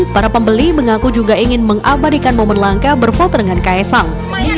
para pembeli mengaku juga ingin mengabadikan momen langka berfoto dengan kaesang